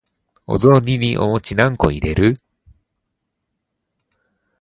お雑煮にお餅何個入れる？